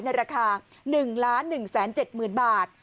ในราคา๑๑๗๐๐๐บาท